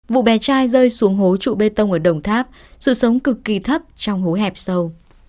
vụ bé trai rơi xuống hố trụ bê tông ở đồng tháp sự sống cực kỳ thấp trong hố hẹp sâu